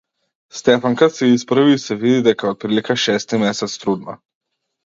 Стефанка се исправи и се виде дека е отприлика шести месец трудна.